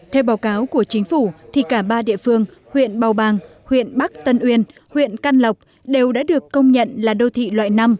theo báo cáo của chính phủ thì cả ba địa phương huyện bào bàng huyện bắc tân uyên huyện can lộc đều đã được công nhận là đô thị loại năm